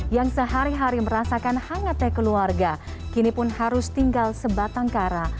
yang sehari hari merasakan hangatnya keluarga kini pun harus tinggal sebatang kara